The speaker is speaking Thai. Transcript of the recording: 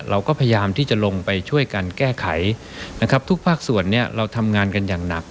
เราก็พยายามที่จะลงไปช่วยกันแก้ไขนะครับทุกภาคส่วนเนี่ยเราทำงานกันอย่างหนัก